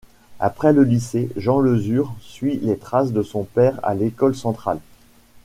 Après le lycée, Jean Leseurre suit les traces de son père à l'École Centrale.